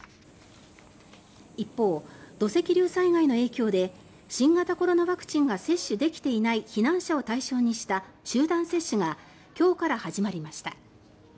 一方、土石流災害の影響で新型コロナワクチンが接種できていない避難者を対象にした集団接種が今日から始まりました。